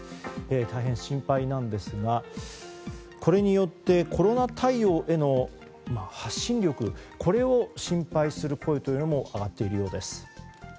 大変、心配なんですがこれによってコロナ対応への発信力、これを心配する声も上がっているようです。